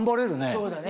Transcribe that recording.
そうだね。